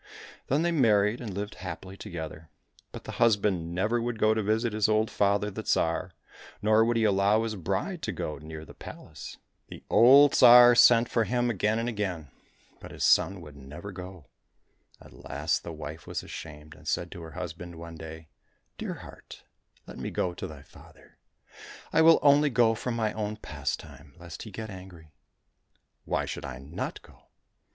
Then they married and lived happily together, but the husband never would go to visit his old father the Tsar, nor would he allow his bride to go near the palace. iq8 NINETEEN TliMES DID SHE CAST OFF ONE OF HER SL FFS OF CLOTHES 198 THE SERPENT TSAREVICH The old Tsar sent for him again and again, but his son would never go. At last the wife was ashamed, and said to her husband one day, " Dear heart ! let me go to thy father ! I will only go for my own pastime, lest he get angry. Why should I not go